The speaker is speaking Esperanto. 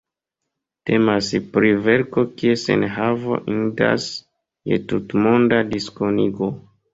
Temas pri verko kies enhavo indas je tutmonda diskonigo.